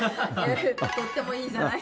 とってもいいじゃないと。